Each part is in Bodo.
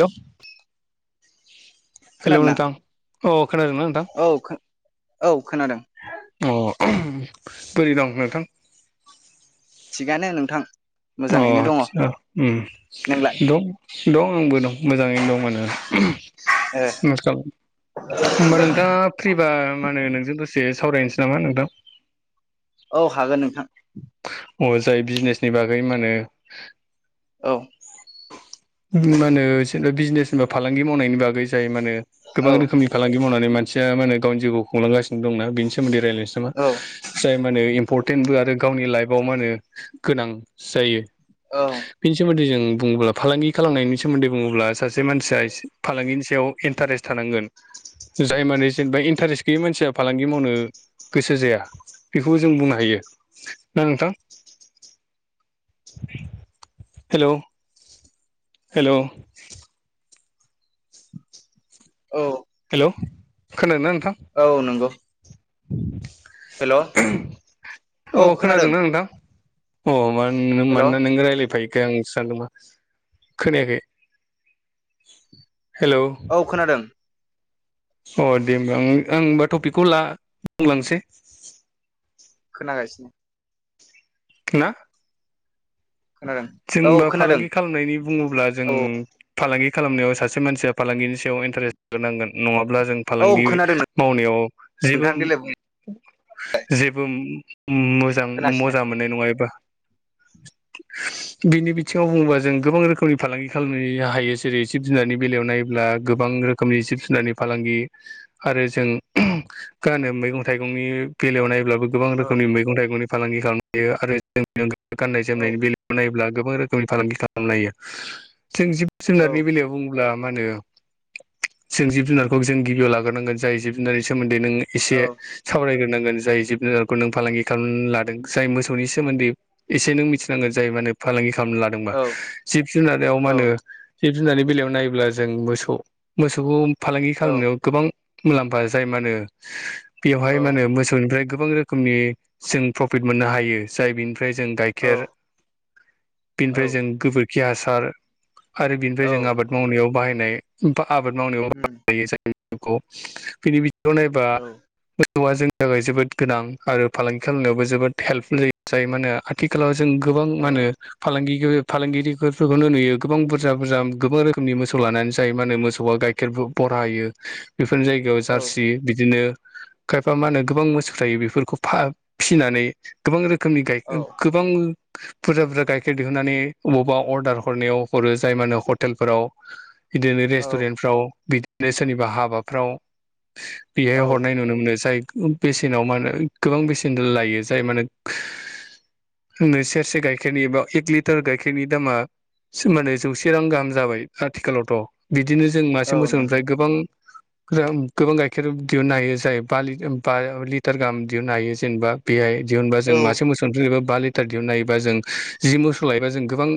हेलौ हेलौ खोनादोंना नोंथां अ खोनादोंना नोंथां औ खो औ खोनादों अ बोरै दं नोंथां थिगानो नोंथां अ मोजाङैनो दङ आतसा ओम नोंलाय दं दं आंबो दं मोजांङैनो दंमोन ए नोंथाङालाय होमबा नोंथांङा फ्रिबा माो नोंजों दसे सावरायनोसै नामा नोंथां औ हागोन नोंथां अ जाय बिजनेसनि बागै मा होनो औ मा होनो जेनबा बिजनेसबा फालांगि मावनायनि बागै जाय माने औ गोबां रोखोमनि फालांगि मावनानै मानसिया मा होनो गावनि जिउखौ खुंलांगासिनो दंना बेनि सोमोनदै रायजलायनोसै औ नामा जाय मा होने इम्परटेन्टबो आरो गावनि लाइफआव मा होनो गोनां जायो औ बेनि सोमोन्दै जों बुङोब्ला फालांगि खालामनायनि सोमोन्दै बुङोब्ला सासे मानसियासे फालांगिनि सायाव इन्टारेस्ट थानांगोन जाय माने जेनेबा इन्टारेस्ट गैयि मानसिया फालांगि मावनो गोसो जाया बेखौबो जों बुंनो हायो दा नोंथां हेलौ हेलौ औ हेलौ खोनादोंना नोंथां? औ नोंगौ अ औ खोनादों खोनादोंना नोंथां? अ मा मानो हेल' मानोना नों रायलायफायो खाय आं सानदों मा खोनायाखै हेल' औ खोनादों अ दे होमबा आं होनबा टपिकखौ ला बुंलांसै खोनागासिनो [unintelligible] खोनादों औ जोंबा खोनादों फालांगि खालामनायनि बुङोब्ला जों औ फालांगि खालामनायाव सासे मानसिया फालांगिनि सायाव इन्टारेस्ट जानांगोन नंङाब्ला जों औ फालांगि खोनादों मावनायाव जेबो नोंथां देलाय बुं जेबो मोजां खोनागासिनो मोजां मोन नाय नङा एबा बिनि बिथिङाव बुङोबा जों गोबां रोखोमनि फालांगि खालामनो हायो जेरै जिब-जुनारनि बेलायाव नायोब्ला गोबां रो खोमनि जिब-जुनारनि फालांगि आरो जों गानो मैगं-थाइगंनि बेलायाव नायब्लाबो गोबां औ रोखोमनि मैगं-थाइगंनि फालांगि खालामनो हायो आरो जोंनि औ गाननाय-जोमनायनि बेलायावबो नायोब्ला गोबां रोखोमनि फालांगि खालामनो हायो जों औ जिब-जुनारनि बेलायाव बुं ब्ला मा होनो जों जिब-जुनारखौ जों गिबियाव लाग्रोनांगोन जाय जिब-जुनारनि सोमोन्दै नों इसे औ सावरायग्रोनांगोन जाय जिब-जुनारखौ नों फालांगि खालामनो लादों जाय मोसौनि सोमोन्दै इसे नों मिथिनांगोन जाय माने फालांगि खालामनो लादोंबा औ जिब-जुनाराव मा औ होनो जिब-जुनारनि बेलायाव नायोब्ला जों मोसौ मोसौखौ फालांगि औ खालामनायाव गोबां मुलाम्फा जाय मा होनो बेवहाय मा होनो मोसौनिफ्राय गोबां रोखोमनि जों प्रफिट मोननो हायो जाय बिनिफ्राय जों गाइखेर औ औ बिनिफ्राय जों गोबोरखि हासार आरो बिनिफ्राय औ जों आबाद मावनायाव बाहायनाय बा आबाद मावनायाव ओम [unintelligible] खौ बिनि बिथिङाव नायबा औ मोसौआ जोंनि थाखाय जोबोद गोनां आरो फालांगि खालामनायावबो जोबोद हेल्पफुल जा जायो मानो आथिखालाव जों गोबां औ मा होनो फालांगिखो फालांगिरिफोरखौनो नुयो गोबां बुरजा बुरजा गोबां रोखोमनि मोसौ लानानै जायो मा होनो मोसौआ गाय खेरबो बरा होयो बेफोरनि जाय जायगायाव औ जारसि बिदिनो खायफा मा होनो गोबां मोसौ थायो बेफोरखौ फा फिसिनानै गोबां रोखोमनि गाय गोबां बुरजा बुरजा गाइखेर दिहुननानै अबावबा अर्दार हरनायाव हरो जाय मानो हटेलफोराव बिदिनो औ रेस्टुरेन्टफ्राव बिदिनो सोरनिबा हाबाफ्राव बेहाय औ हरनाय नुनो मोनो जाय बेसेनाव माहोनो गोबां बेसेन लायो जाय मानो [unintelligible] से गाइखेरनि एबा एक लिटार गाइखेरनि दामा [unintelligible] जौसे रां गाहाम जाबाय आथिखालावथ' बिदिनो जों औ मासे नंगौ मोसौनिफ्राय गोबां रां गोबां गाइखेर दिहुननो हायो जाय बा लिटार बा लिटार गाहाम दिहुननो हायो। जेनेबा बेहाय दिहुनबा जों औ मासे मोसौनिफ्राय जेनबा बा लिटार दिहुननो हायोबा जों जि मोसौ लायोबा जों गोबां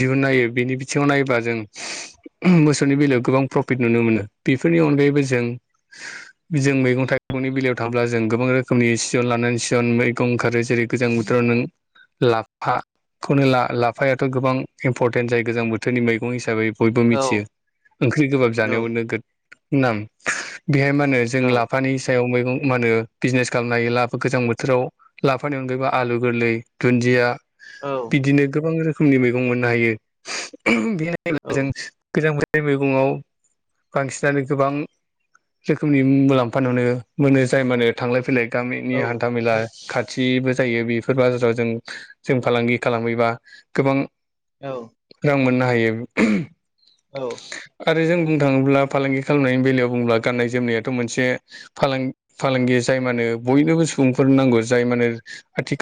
दिहुननो हायो बिनि बिथिङाव नायोबा जों मोसौनि बेलायाव गोबां प्रफिट नुनो मोनो बेफोरनि अनगायैबो जों जों मैगं-थाइगंनि बेलायाव थांब्ला जों गोबां रोखोमनि सिजन लानानै सिजन मैगं ओंखारो जेरै गोजां बोथोर र' नों लाफाखौनो ला लाफायाथ' गोबां इम्परटेन्ट जाय गोजां बोथोरनि मैगं हिसाबै। बयबो औ मिथियो ओंख्रै गोबाब जानायाव नोगोद नाम बेहाय मा होनो जों औ लाफानि सायाव मैगं मा होनो बिजनेस खालामनो हायो ला गोजां बोथोराव लाफानि अनगायैबा आलु गोरलै दुन्दिया औ बिदिनो गोबां रोखोम रोखोमनि मैगं मोननो हायो। बे औ ब्ला जों गोजां बोथोरनि मैगङाव बांसिनानो गोबां रोखोमनि मुलाम्फा नुनो मोनो। जाय मानो थांलाय फैलाय गामिनि हान्था मेला खाथिबो जायो। बेफोर बाजाराव जों जों फालांगि खालामहैबा गोबां औ रां मोननो हायो। औ आरो जों बुंनो थाङोब्ला फालांगि खालामनायनि बेलायाव बुङोब्ला गाननाय जोमनायाथ' मोनसे फालां फालांगि जाय मानो बयनोबो सुबुंफोरनो नांगौ। जाय मानो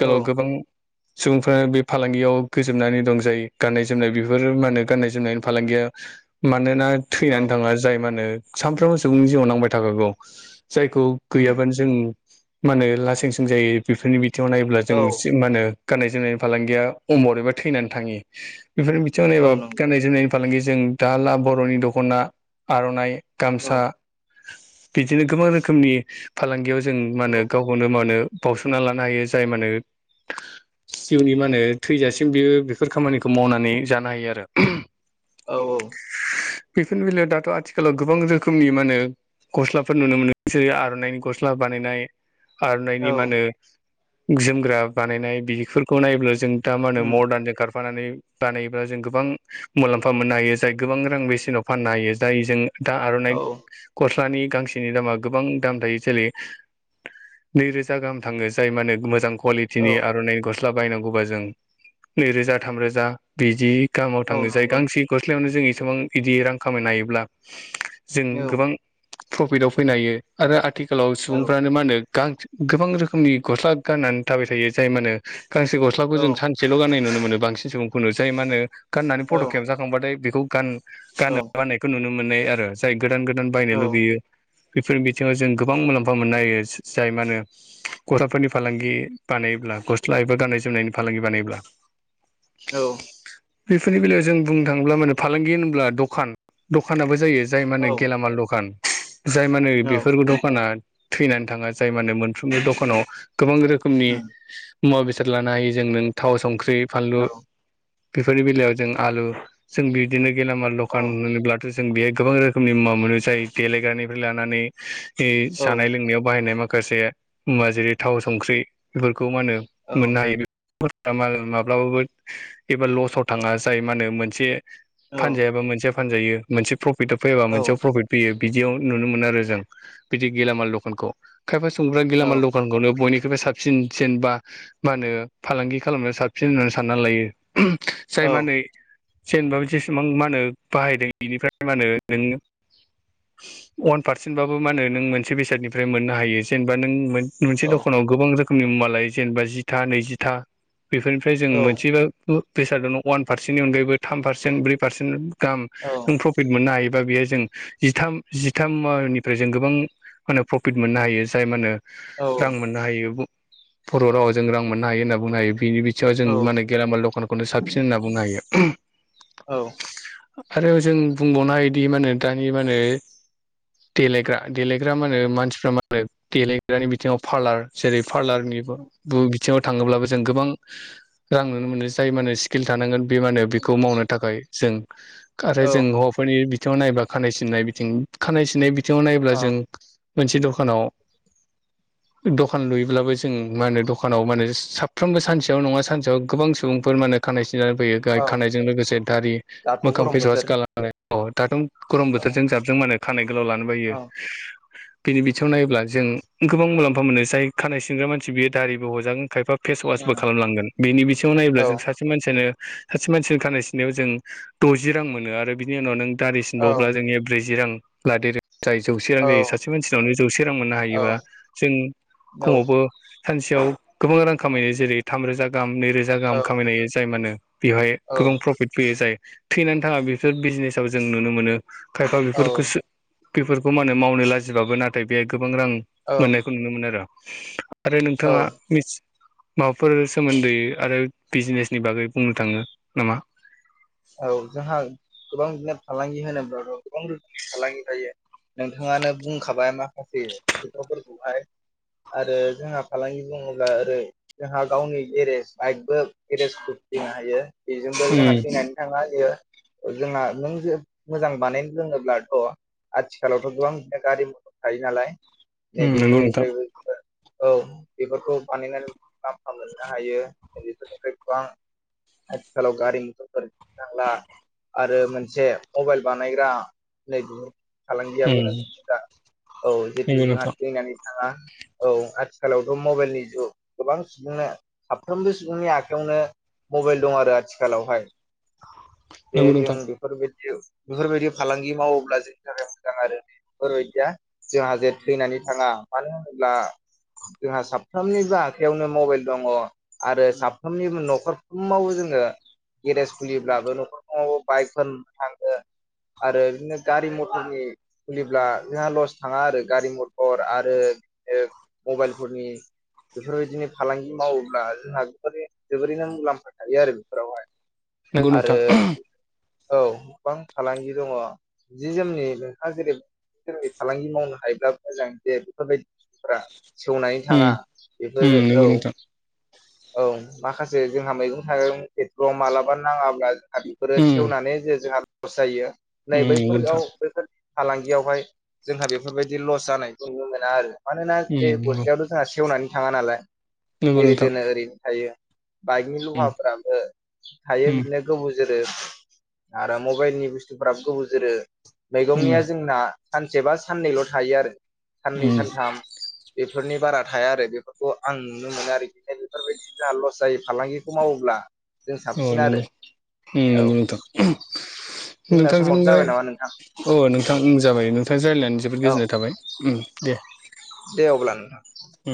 औ गोबां सुबुंफोरा बे फालांगियाव गोजोबनानै दं जायो। गाननाय जोमनाय बेफोर मा होनो गाननाय जोमनायनि फालांगिया मानोना औ थैनानै थाङा। जाय मा होनो सानफ्रोमबो सुबुंनि जिउआव नांबाय थाखागौ जायखौ उम गैयाबानो जों मा होनो लासिंसिं जायो। बेफोरनि बिथिङाव नायोब्ला जों औ मा होनो गाननाय जोमनायनि फालांगिया अमर एबा थैनानै थाङि। बेफोर जों औ एबा नंगौ गाननाय जोमनायनि फालांगि जों दा ला बर'नि दख'ना आर'नाइ औ गामसा बिदिनो गोबां रोखोमनि फालांगियाव जों मा होनो गाव खौनो मा होनो बावउसोमना लानो हायो। जाय मा होनो जिउनि मा होनो थैजासिम बेयो बेफोर खामानिखौ मावनानै जानो हायो। आरो औ औ बेफोरनि बेलायाव दाथ' आथिखालाव गोबां रोखोमनि मानो गस्लाफोर नुनो मोनो। बिसोरो आर'नाइनि गस्ला बानायनाय औ आर'नाइनि मा होनो जोमग्रा बानायनाय बेफोरखौ नायोब्ला जों दा मा होनो उम मदार्नजों खार फानानै बानायोब्ला जों गोबां मुलाम्फा मोननो हायो। जाय गोबां रां बेसेनाव फाननो हायो। जाय जों दा आर'नाइ औ गस्लानि गांसेनि दामा गोबां दाम थायो जेलै नैरोजा गाहाम थाङो। जाय माने मोजां औ कुवालिटिनि आर'नाइ गस्ला बायनांगौबा जों नैरोजा थामरोजा बिदि गामाव औ थाङो जाय नंगौ गांसे गस्लायावनो जों इसेबां बिदि रां खामायनो हायोब्ला जों औ गोबां प्रफिटाव फैनो हायो। आरो आथिखालाव औ सुबुंफ्रानो मा होनो गा गोबां रोखोमनि गस्ला गाननानै थाबाय थायो। जाय मानो गांसे गस्लाखौ औ जों सान सेल' गाननाय नुनो मोनो। बांसिन सुबुंखौनो जाय मा होनो गाननानै औ फट' औ खेबजाखांबाथाय बेखौ गान गाननो उम औ बानायखौ नुनो मोननाय आरो जाय गोदान गोदान बायनो लुगैयो बेफोरनि बिथिङाव जों गोबां मुलाम्फा मोननो हायो। जाय मा होनो गस्लाफोरनि फालांगि बानायोब्ला गस्ला एबा गाननाय जोमनायनि फालांगि बानायोब्ला औ बेफोरनि बेलायाव जों बुंनो थाङोब्ला माने फालांगि होनोब्ला दखान दखानाबो जायो। जाय औ माने औ गेलामाल दखान। जाय माने बेफोर औ दखाना थैनानै थाङा। जाय माने मोनफ्रोमबो दखानाव गोबां औ रोखोम नि मुवा बेसाद लानो हायो जों नों थाव संख्रि फानलु बेफोरनि बेलायाव जों आलु जों बिदिनो गेलामाल दखान होनोब्ला जों बेहाय गोबां रोखोमनि मुवा मोनो जायो देलायग्रानिफ्राय लानानै बे जानाय लोंनायाव बाहायनाय माखासे हा जेरै थाव संख्रि बेफोरखौ मा होनो मोननो हायो माब्लाबाबो एबा लसाव थाङा जाय मा होनो मोनसे फानजायाबा मोनसेया फानजायो मोनसे प्रफिटआव फैयाबा औ मोनसेयाव प्रफिट फैयो बिदियाव नुनो मोनो आरो जों बिदि गेलामाल दखानखौ खायफा संग्रा गेलामाल दखान दखानखौनो बयनिख्रुइबो साबसिनसिन बा मा होनो फालांगि खालामनायाव साबसिन होननानै सानना लायो जाय मा होनो जेनेबा जेसेबां मा होनो बाहायदों बेनिफ्राय मा होनो नोंङो अवान पारसेन्टबाबो मा होनो नों मोनसे बेसादनिफ्राय मोननो हायो जेन बा नों मोनसे दखानाव गोबां रोखोमनि मुवा लायो जेनेबा जिथा नैजिथा बेफोर ओमफ्राय जों मोनसेबाबो बेसादाव अवान पारसेन्टनि अनगायैबो थाम पारसेन्ट ब्रै पारसेन्ट दाम [unintelligible] प्रफिट मोननो हायोबा बेयो जों जिथाम जिथामनिफ्राय जों गोबां मो प्रफिट मोननो हायो जाय मा होनो रां मोननो हायो बर' रावाव जों रां मोननो हायो होनना बुंनो हायो बिनि बिथिङाव जों मानो गेलामाल दखानखौनो साबसिन होनना बुंनो हायो। आरो जों बुंबावनो हायोदि मानो दानि मानो देलायग्रा देलायग्रा मानो मानसिफ्रा आ जाय देलायग्रानि बिथिङाव पार्लार जेरै पार्लारनिबो बुं बिथिङाव थाङोब्लाबो जों गोबां रां नुनो मोनो जाय मानो स्किल थानांगोन बे मा होनो बेखौ मावनो थाखाय जों आरो जों हौवाफोरनि बि बिथिङाव नायबा खानाय सिननाय बिथिं खानाय सिननाय बिथिङाव नायब्ला औ जों मोनसे दखान खानाव दखान लुयोब्लाबो जों मा होनो दखानाव मा होनो साफ्रोमबो सानसेयाव नङा सानसेयाव गोबां सुबुंफोर मा होनो खानाय सिनजानो फैयो औ दाय खानायजों लोगोसे दारि दाथ' मोखां गरम फेसवास बोथोर खालामनायफोराव दाथ' गरम औ बोथोरजों जाबजों माने खानाय गोलाव लानो बायो औ बिनि थिं नायोब्ला जों गोबां मुलाम्फा मोनो जाय खानाय सिनग्रा मानसि बियो दारिबो हजागोन खायफा फेसवास बो उम खालामलांगोन बेनि बिथिङाव नायोब्ला औ जों सा सा मानसियानो सासे मानसिनो खानाय सिनायाव जों द'जि रां मोनो आरो बिनि उनाव नों दारि औ सिनबावब्ला जोंनिया ब्रैजि रां लादेर जायो जौसे रां औ जायो सासे मानसि बेयावनो जौसे रां मोननो औ हायो बा जों औ कमावबो थ' सानसेयाव गोबां रां खामायो जेरै थाम रोजा गाहाम नै रोजा गाहाम खामायनो हायो जाय मानो बेवहाय औ गोबां प्रफिट फैयो जाय थैनानै थाङा बेफोर बिजनेसाव जों नुनो मोनो खायफा बेफोरखौसो औ बेफोरखौ मानो मावनो लाजिबाबो नाथाय बेहाय गोबां रां औ मोनो खौ नुनो मोनो आरो आरो नोंथाङा मि माबाफोर सोमोन्दै आरो बिजनेसनि बागै बुंनो थाङो नामा? औ जोंहा गोबां बिदिनो फालांगि होनोब्लाथ' गोबां रोखोमनि फालांगि थायो नोंथाङानो बुंखाबाय माखासे खोथाफोरखौहाय आरो जोंहा फालांगि बुङोब्ला ओरै जोंहा गावनि गेरेस बाइकबो गेरेसबो खुलिनो हायो बेजोंबो जोंहा उम थैनानै थाङा बेयो जोंङा नों जे मोजां बानायनो रोङोब्लाथ' आथिखालावथ' गोबां बिदिनो गारि मटर थायो नालाय नै उम नंगौ नोंथां बेफोरनिफ्रायबो औ बेफोरखौ बानायनानै मुलाम्फा मोननो हायो बेफोरनिफ्राय गोबां आथिखालाव गारि मटरफोर थांला आरो मोनसे मबाइल बानायग्रा नैबे फालांगियाबो उम नोगोद मोजां औ नंगौ जितु जोंहा नोंथां थैनानै थाङा [unintelligible] औ आथिखालावथ' मबाइलनि जुग गोबां सुबुंनो साफ्रोमबो सुबुंनि आखायावनो मबाइल दं आरो आथिखालावहाय बे नंगौ जों नोंथां बेफोरबायदि बेफोरबायदि फालांगि मावोब्ला जोंनि थाखाय मोजां आरो दि बेफोरबायदिया जोंहा जे थैनानै थाङा मानो होनोब्ला जोंहा साफ्रामनिबो आखाइयावनो मबाइल दङ। आरो साफ्रोमनिबो नखरफ्रोमावबो जोङो गेरेज खुलिब्लाबो नखरफ्रोमावबो बाइकफोर थाङो आरो इदिनो गारि मटरनि खुलिब्ला जोंहा लस थाङा आरो गारि मटर आरो बिदिनो मबाइलफोरनि बेफोरबायदिनो फालांगि मावोब्ला जोंहा जोबोरैनो जोबोरैनो मुलाम्फा थायो आरो बेफोरावहाय नंगौ आरो नोंथां औ गोबां फालांगि दङ जि जोमनि नोंहा जेरै बे जोंनि फालांगि मावनो हायोब्ला मोजां दे बेफोरबायदिफोरा सेवनानै थाङा उम बेफोर उम औ नंगौ नोंथां औ माखासे जोंहा मैगं थाइगं फोरखौ मालाबा नाङाब्ला जोंहा बेफोरो उम सेवनानै जे जोंहा लस जायो नै उम नंगौ नोंथां बैफोराव बैफोर फालांगियावहाय जोंहा बेफोरबायदि लस जानायखौ नुनो मोना आरो मानोना बे उम नंगौ गसायावनो जोंहा सेवनानै थाङा नालाय नंगौ जेरै नोंथां दोनो ओरैनो थायो बाइकनि उम लहाफोराबो थायो उम बिदिनो गोबौ जोरो आरो मबाइलनि बुस्थुफ्राबो गोबाव जोरो उम मैगंनिया जोंना सानसे बा साननैल' थायो आरो साननै उम सानथाम बेफोरनि बारा थाया आरो बेफोरखौ आं नुनो मोनो आरोखि बेफोरबायदि जोंहा लस जायो फालांगिखौ मावोब्ला जों औ साबसिन आरो औ नंगौ नोंथां जोंना नोंथांजों समाबो राय जाबाय नामा नोंथां अ नोंथां जाबाय नोंथां राय्लायनानै जोबोद औ गोजोननाय थाबाय उ दे दे अब्ला नोंथां उम